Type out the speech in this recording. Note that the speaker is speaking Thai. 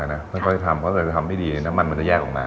เพราะก็จะทำเพราะก็จะทำให้ดีน้ำมันมันจะแยกออกมา